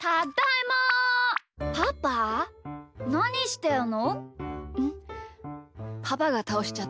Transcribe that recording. もうパパなにしてんの！